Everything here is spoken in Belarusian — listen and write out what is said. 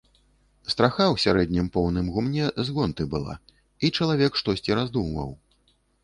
Страха ў сярэднім поўным гумне з гонты была, і чалавек штосьці раздумваў.